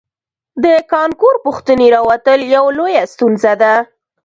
د کانکور پوښتنې راوتل یوه لویه ستونزه ده